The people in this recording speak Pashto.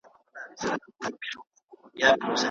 سر مساژول د وریښتانو ودې سبب نه دی.